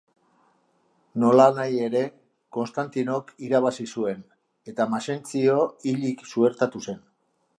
Nolanahi ere, Konstantinok irabazi zuen eta Maxentzio hilik suertatu zen.